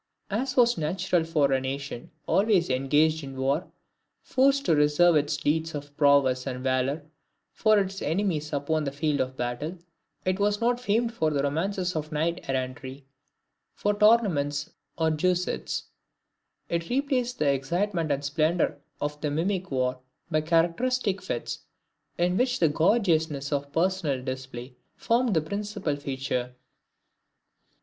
As was natural for a nation always engaged in war, forced to reserve its deeds of prowess and valor for its enemies upon the field of battle, it was not famed for the romances of knight errantry, for tournaments or jousts; it replaced the excitement and splendor of the mimic war by characteristic fetes, in which the gorgeousness of personal display formed the principal feature.